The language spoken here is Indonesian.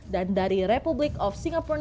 dan dari republik singapura